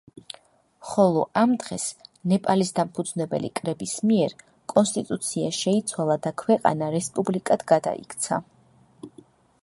ხოლო ამ დღეს, ნეპალის დამფუძნებელი კრების მიერ კონსტიტუცია შეიცვალა და ქვეყანა რესპუბლიკად გადაიქცა.